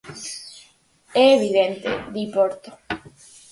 "É evidente", di Porto.